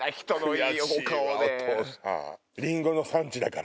リンゴの産地だから。